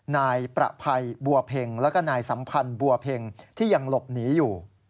นายประภัยบัวเพ็งแล้วก็นายสัมพันธ์บัวเพ็งที่ยังหลบหนีอยู่